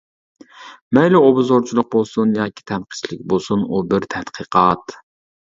مەيلى ئوبزورچىلىق بولسۇن ياكى تەنقىدچىلىك بولسۇن، ئۇ بىر تەتقىقات.